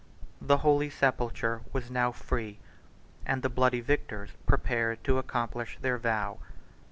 111 The holy sepulchre was now free; and the bloody victors prepared to accomplish their vow.